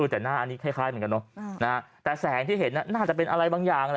แต่หน้าอันนี้คล้ายเหมือนกันเนอะแต่แสงที่เห็นน่าจะเป็นอะไรบางอย่างแหละ